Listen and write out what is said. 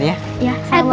ya kak edward